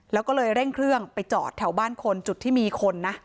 แล้วก็เลยเร่งเครื่องไปจอดแถวบ้านคนจุดที่มีคนนะ